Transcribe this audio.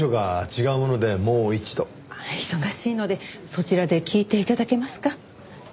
忙しいのでそちらで聞いて頂けますか。